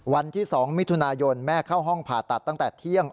วันที่๒มิถุนายนแม่เข้าห้องผ่าตัดตั้งแต่เที่ยง